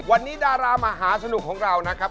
วันนี้ดารามหาสนุกของเรานะครับ